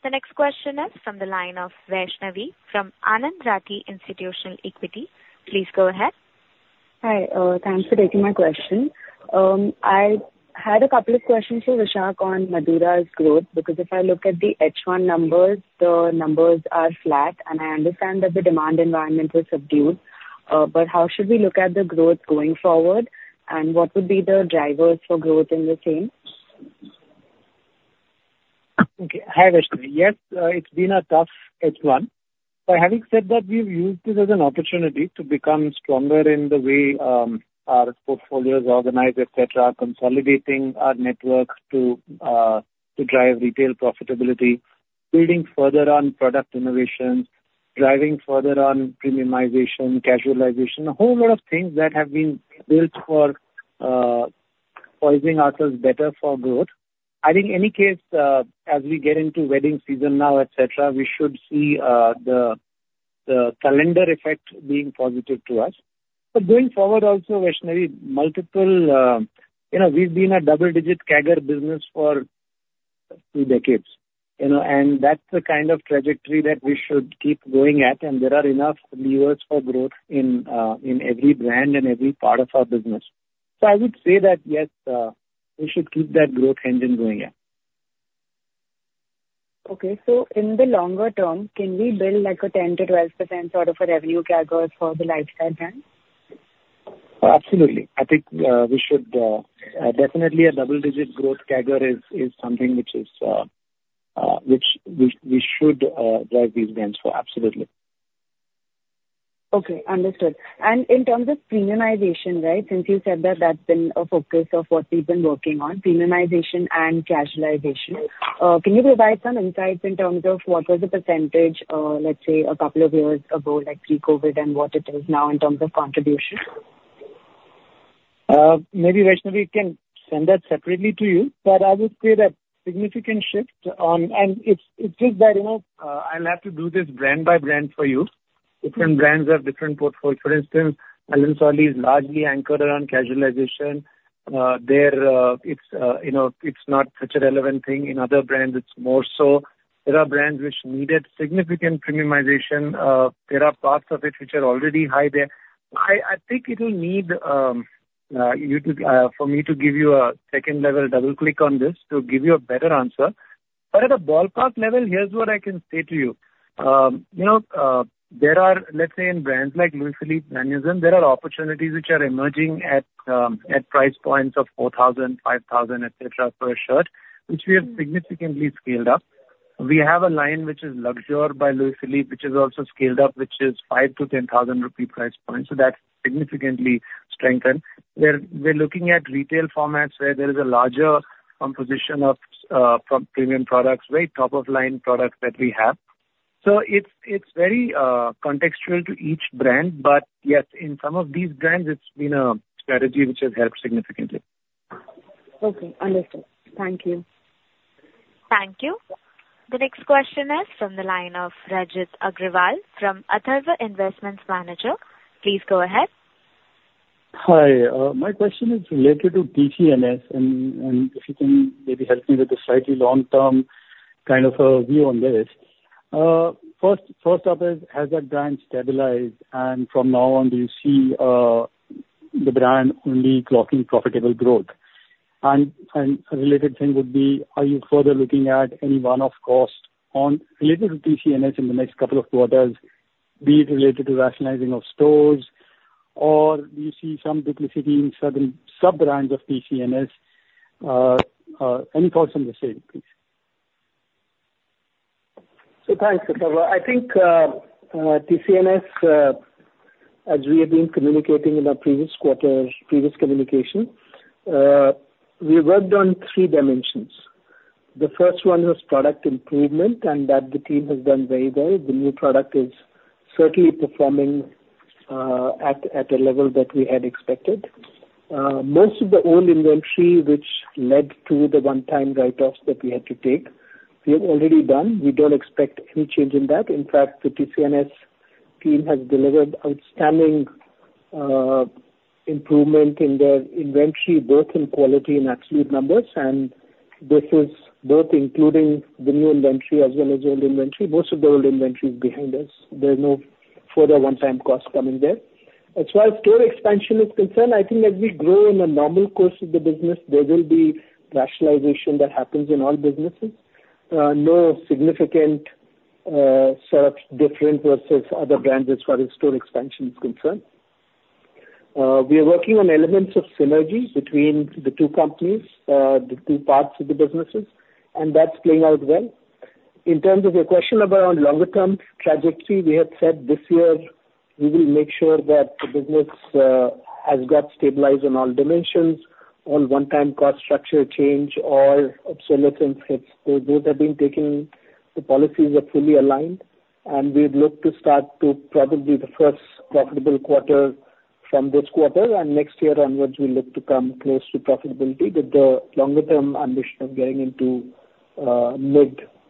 The next question is from the line of Vaishnavi from Anand Rathi Institutional Equity. Please go ahead. Hi. Thanks for taking my question. I had a couple of questions for Vishak on Madura's growth. Because if I look at the H1 numbers, the numbers are flat and I understand that the demand environment is subdued. But how should we look at the growth going forward and what would be the drivers for growth in the same? Hi Vaishnavi. Yes, it's been a tough H1. But having said that we've used it as an opportunity to become stronger in the way our portfolio is organized, et cetera, consolidating our network to drive retail profitability, building further on product innovations, driving further on premiumization, casualization, a whole lot of things that have been built for positioning ourselves better for growth. I think in any case, as we get into wedding season now, etc., we should see the calendar effect being positive to us. But going forward also, Vaishnavi, multiple, you know, we've been a double digit CAGR business for two decades, you know, and that's the kind of trajectory that we should keep going at. And there are enough levers for growth in every brand and every part of our business. So I would say that yes, we should keep that growth engine going. Okay, so in the longer term, can we build like a 10% to 12% sort of a revenue CAGR for the lifestyle brand? Absolutely, I think we should. Definitely a double-digit growth CAGR is something which we should drive these brands for. Absolutely. Okay, understood. And in terms of premiumization. Right. Since you said that, that's been a focus of what we've been working on, premiumization and casualization. Can you provide some insights in terms of what was the percentage, let's say a couple of years ago, like pre-COVID and what it is now in terms of contribution? Maybe Rachna, we can send that separately to you. But I would say that significant shift and it's just that, you know, I'll have to do this brand by brand for you. Different brands have different portfolios. For instance, Allen Solly is largely anchored around casualization there. It's, you know, it's not such a relevant thing. In other brands, it's more so there are brands which needed significant premiumization. There are parts of it which are already high there. I think it will need you to. For me to give you a second level double click on this to give you a better answer. But at a ballpark level, here's what I can say to you. You know, there are, let's say in brands like Louis Philippe, and so on, there are opportunities which are emerging at price points of 4,000, 5,000, etc. per shirt, which we have significantly scaled up. We have a line which is Luxure by Louis Philippe, which is also scaled up which is 5,000 to 10,000 rupee price points. So that's significantly strengthened. We're looking at retail formats where there. It's a larger composition of premium products, very top-of-the-line products that we have, so it's very contextual to each brand, but yes, in some of these brands it's been a strategy which has helped significantly. Okay, understood. Thank you. Thank you. The next question is from the line of Rachit Agarwal from Atharva Investments Manager. Please go ahead. Hi, my question is related to TCNS and if you can maybe help me with a slightly long-term kind of view on this. First up, has that brand stabilized and from now on do you see the brand only clocking profitable growth? And a related thing would be, are you further looking at any one-off cost related to TCNS in the next couple of quarters, be it related to rationalizing of stores or do you see some duplication in certain sub-brands of TCNS? Any thoughts on the same please. So thanks. I think TCNS as we have been communicating in our previous quarter previous communication we worked on three dimensions. The first one was product improvement and that the team has done very well. The new product is certainly performing at a level that we had expected. Most of the old inventory which led to the one-time write-offs that we had to take, we have already done. We don't expect any change in that. In fact the TCNS team has delivered outstanding improvement in their inventory both in quality in absolute numbers and this is both including the new inventory as well as old inventory. Most of the old inventory is behind. There's no further one-time cost coming there. As far as store expansion is concerned, I think as we grow in a normal course of the business there will be rationalization that happens in all businesses. No significant sort of different versus other brands. As far as store expansion is concerned we are working on elements of synergy between the two companies, the two parts of the businesses and that's playing out well. In terms of your question about longer-term trajectory, we had said this year we will make sure that the business has got stabilized in all dimensions on one-time cost structure changes are obsolete. Those have been taken. The policies are fully aligned and we'd look to start to probably the first profitable quarter. From this quarter and next year onwards we look to come close to profitability with the longer-term ambition of getting into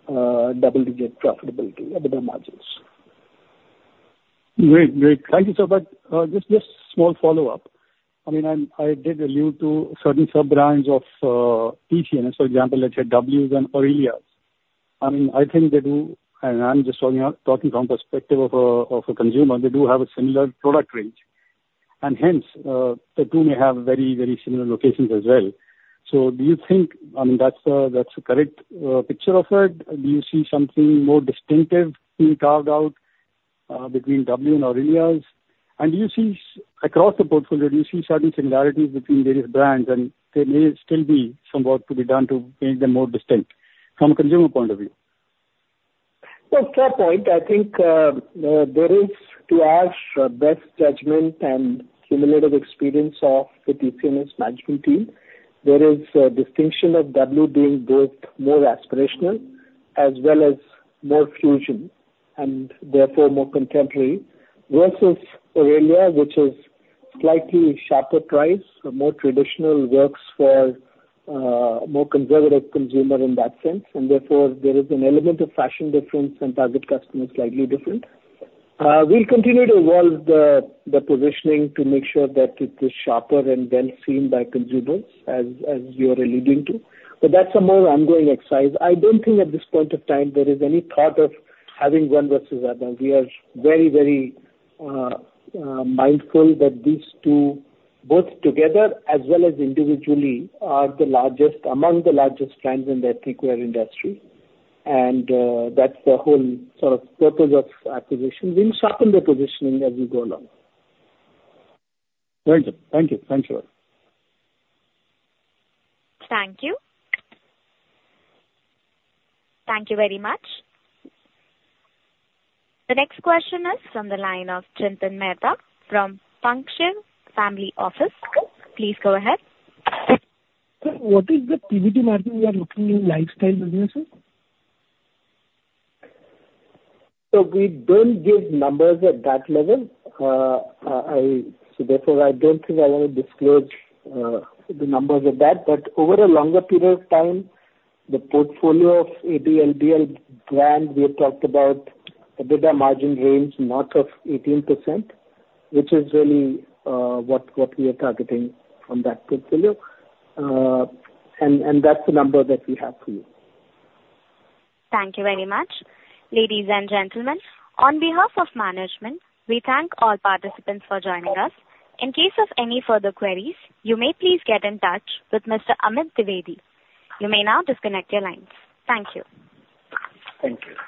mid-double-digit profitability EBITDA margins. Great, great. Thank you sir. But just small follow up. I mean I did allude to certain sub brands of TCNS, for example, let's say W and Aurelia. I mean I think they do and I'm just talking from perspective of a consumer. They do have a similar product range and hence the two may have very very similar locations as well. So do you think that's the correct picture of it? Do you see something more distinctive being carved out between W and Aurelia and do you see across the portfolio, do you see certain similarities between various brands and there may still be some work to be done to make them more distinct? From a consumer point of view. Well, fair point. I think there is to our best judgment and cumulative experience of the TCNS management team. There is distinction of W being both more aspirational as well as more fusion and therefore more contemporary versus Aurelia which is slightly sharper price more traditional works for more conservative consumer in that sense and therefore there is an element of fashion difference and target customers slightly different. We'll continue to evolve the positioning to make sure that it is sharper and well seen by consumers as you're alluding to. But that's a more ongoing exercise. I don't think at this point of time there is any thought of having one versus other. We are very, very mindful that these two both together as well as individually are the largest among the largest brands in the ethnic wear industry. And that's the whole sort of purpose of acquisition. We'll sharpen the positioning as we go along. Well done. Thank you. Thanks, sir. Thank you. Thank you very much. The next question is from the line of Chintan Mehta from a Family Office. Please go ahead. What is the PBIT margin? We are looking in lifestyle businesses. So we don't give numbers at that level. So therefore, I don't think I want to disclose the numbers of that but over a longer period of time. The portfolio of ABLBL brand we have talked about EBITDA margin range north of 18% which is really what we are targeting from that portfolio, and that's the number that we have for you. Thank you very much ladies and gentlemen. On behalf of management, we thank all participants for joining us. In case of any further queries, you may please get in touch with Mr. Amit Dwivedi. You may now disconnect your lines. Thank you. Thank you.